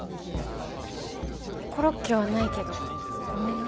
コロッケはないけどごめんね。